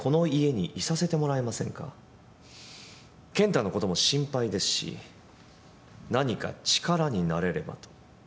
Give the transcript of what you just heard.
健太のことも心配ですし何か力になれればと。